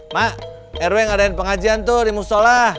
mak rw ngadain pengajian tuh di musola